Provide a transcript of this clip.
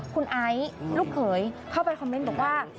คุณไอซ์ลูกเขยเข้าไปคอมเมนต์บอกว่า